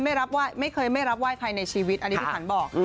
ไม่เคยไม่รับไหว้ใครในชีวิตอันนี้พี่ขวัญบอก